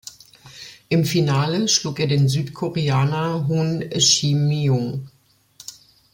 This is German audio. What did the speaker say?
Im Finale schlug er den Südkoreaner Hoon Shin-myung.